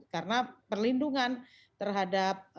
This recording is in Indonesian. karena perlindungan terhadap